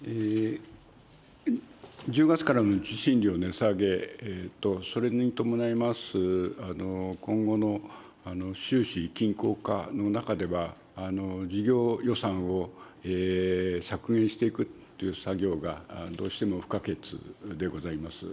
１０月からの受信料値下げと、それに伴います今後の収支均衡化の中では、事業予算を削減していくという作業がどうしても不可欠でございます。